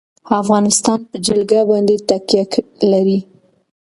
افغانستان په جلګه باندې تکیه لري.